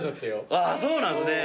ああそうなんすね。